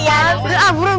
ya udah gue telfon ya